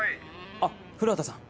あっ古畑さん。